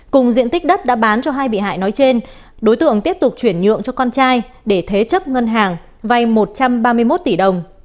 cùng diện tích đất đã bán cho hai bị hại nói trên đối tượng tiếp tục chuyển nhượng cho con trai để thế chấp ngân hàng vay một trăm ba mươi một tỷ đồng